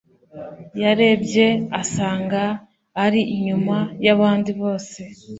yarebye asanga ari inyuma yabandi bose